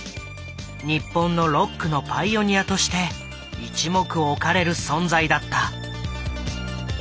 日本のロックのパイオニアとして一目置かれる存在だった。